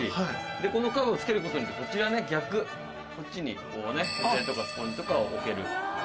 このカバーを付けることによってこちらね逆こっちにこうね洗剤とかスポンジとかを置ける。